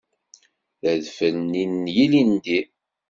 D adfel-nni n yilindi.